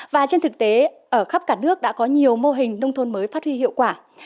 và trên thực tế ở khắp cả nước đã có nhiều mô hình nông thôn mới phát huy hiệu quả